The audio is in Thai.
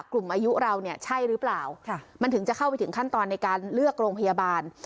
กลุ่มอายุเราเนี่ยใช่หรือเปล่ามันถึงจะเข้าไปถึงขั้นตอนในการเลือกโรงพยาบาล